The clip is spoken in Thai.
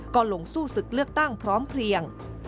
ก็ลงสู้ศึกเลือกตั้งพร้อมเพลียง